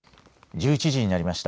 １１時になりました。